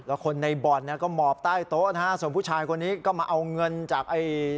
แล้วคนในบ่อนเนี่ยก็หมอบใต้โต๊ะนะฮะส่วนผู้ชายคนนี้ก็มาเอาเงินจากไอ้